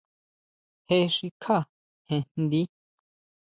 Jé xikjá jen njdi.